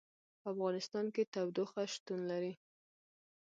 په افغانستان کې تودوخه شتون لري.